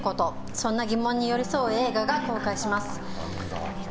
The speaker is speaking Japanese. そんな疑問に寄り添う映画が公開します。